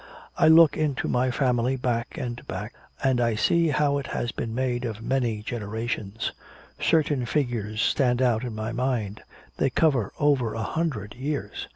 "I look into my family back and back, and I see how it has been made of many generations. Certain figures stand out in my mind they cover over a hundred years.